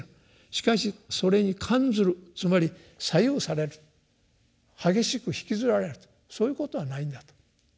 しかしそれに感ずるつまり左右される激しく引きずられるとそういうことはないんだと。